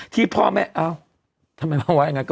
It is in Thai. ที่พ่อแม่อ่าวทำไมบ้างคะ